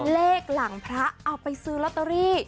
เลขหลังพระเอาไปซื้อลอตเตอรี่